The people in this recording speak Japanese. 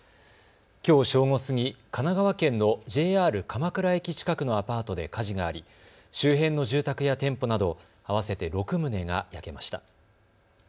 きょう正午過ぎ、神奈川県のＪＲ鎌倉駅近くのアパートで火事があり周辺の住宅や店舗など合わせて６棟が焼けました。